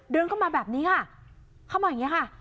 เดินเข้ามาแบบนี้ค่ะเข้ามาอย่างนี้ค่ะ